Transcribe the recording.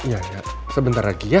ya sebentar lagi ya